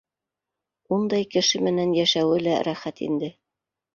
Ундай кеше менән йәшәүе лә рәхәт инде.